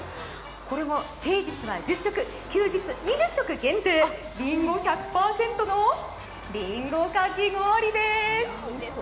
これは平日は１０食、休日２０食限定りんご１００％のりんごかき氷です。